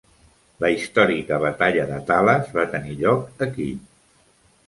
La històrica batalla de Talas va tenir lloc aquí.